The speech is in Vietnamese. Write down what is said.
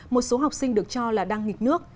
một số học sinh được cho là đang nghịch nước